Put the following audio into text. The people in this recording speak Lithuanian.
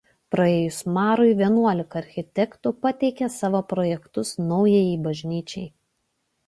Praėjus marui vienuolika architektų pateikė savo projektus naujajai bažnyčiai.